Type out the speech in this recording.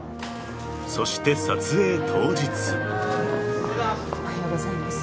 ［そして撮影当日］おはようございます。